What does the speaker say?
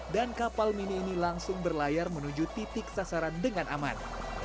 dan kapal mini ini langsung berlayar menuju titik sasaran dengan aman